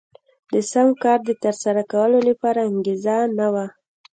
د سم کار د ترسره کولو لپاره انګېزه نه وه.